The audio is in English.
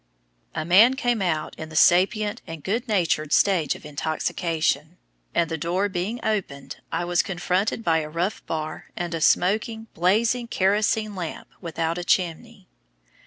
A man came out in the sapient and good natured stage of intoxication, and, the door being opened, I was confronted by a rough bar and a smoking, blazing kerosene lamp without a chimney.